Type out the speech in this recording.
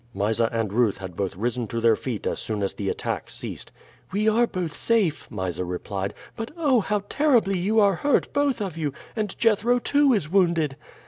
Mysa and Ruth had both risen to their feet as soon as the attack ceased. "We are both safe," Mysa replied. "But oh, how terribly you are hurt, both of you; and Jethro, too, is wounded!"